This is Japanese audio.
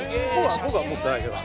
僕は持ってないけど。